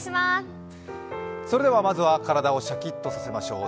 それではまずは体をシャキッとさせましょう。